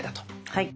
はい。